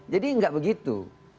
jadi nggak begitu